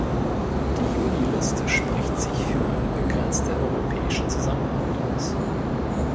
Die Juniliste spricht sich für eine begrenzte europäische Zusammenarbeit aus.